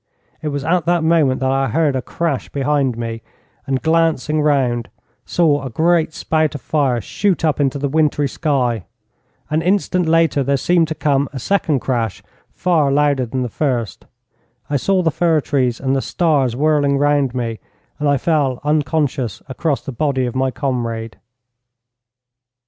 It was at that moment that I heard a crash behind me, and, glancing round, saw a great spout of fire shoot up into the wintry sky. An instant later there seemed to come a second crash, far louder than the first. I saw the fir trees and the stars whirling round me, and I fell unconscious across the body of my comrade.